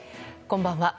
こんばんは。